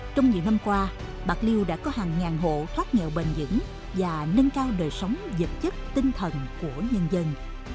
trong nhiều năm qua bạc liêu đã có hàng ngàn hộ thoát nghèo bền dững và nâng cao đời sống vật chất tinh thần của nhân dân